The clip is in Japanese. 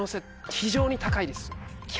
非常に高いです。